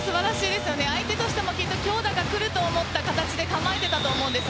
相手としてもきっと強打が来ると思った形で構えていたと思うんです。